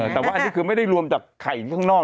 แต่ว่าอันนี้คือไม่ได้รวมจากไข่ข้างนอก